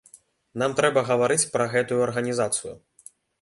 Нам трэба гаварыць пра гэтую арганізацыю.